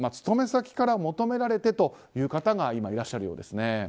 勤め先から求められてという方が今いらっしゃるようです。